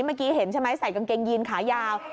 เมื่อกี้เห็นใช่ไหมใส่กางเกงยีนขายาว